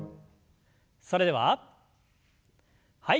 それでははい。